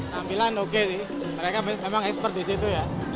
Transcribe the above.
nampilan oke sih mereka memang expert di situ ya